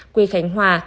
quê khánh hòa